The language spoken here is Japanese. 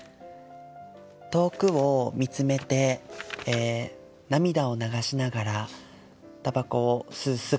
「遠くを見つめて涙を流しながら、煙草を吸う姿」